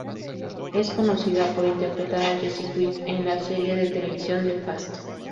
Es conocida por interpretar a Jesse Quick en la serie de televisión "The Flash".